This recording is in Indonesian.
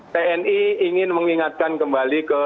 tni ingin mengingatkan kembali ke pen tni